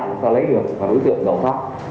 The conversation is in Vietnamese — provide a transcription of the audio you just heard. chúng ta lấy được và đối tượng gầu pháp